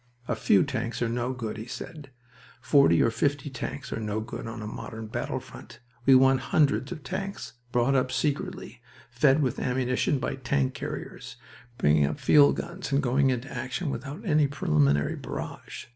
"A few tanks are no good," he said. "Forty or fifty tanks are no good on a modern battle front. We want hundreds of tanks, brought up secretly, fed with ammunition by tank carriers, bringing up field guns and going into action without any preliminary barrage.